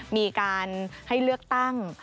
มีการให้เลือกตั้ง